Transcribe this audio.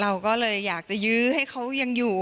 เราก็เลยอยากจะยื้อให้เขายังอยู่